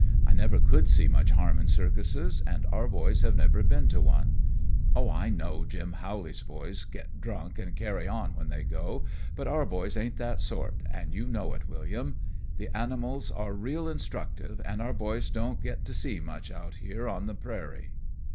I never could see much harm in circuses, and our boys have never been to one. Oh, I know Jim Howley's boys get drunk an' carry on when they go, but our boys ain't that sort, an' you know it, William. The animals are real instructive, an' our boys don't get to see much out here on the prairie.